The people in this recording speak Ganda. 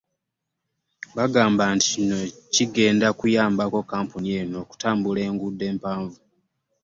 Bagamba Nti kino kigenda kuyamba kkampuni eno okutambula enguudo empavu.